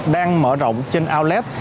đang mở rộng trên outlet